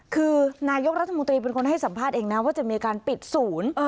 คือนายกรัฐมนตรีเป็นคนให้สัมภาษณ์เองนะว่าจะมีการปิดศูนย์